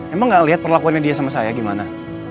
emang gak liat perlakuan dia sama saya gimana